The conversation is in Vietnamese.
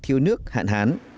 thiếu nước hạn hán